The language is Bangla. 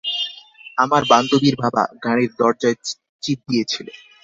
আমার বান্ধবীর বাবা, গাড়ির দরজায় চিপ দিয়েছিল।